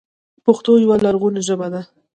پښتو یوه لرغونې ژبه ده.